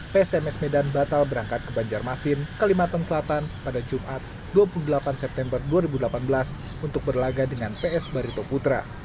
psms medan batal berangkat ke banjarmasin kalimantan selatan pada jumat dua puluh delapan september dua ribu delapan belas untuk berlaga dengan ps barito putra